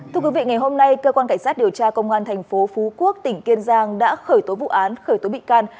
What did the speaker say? thưa quý vị ngày hôm nay cơ quan cảnh sát điều tra công an thành phố phú quốc tỉnh kiên giang đã khởi tố vụ án khởi tố bị can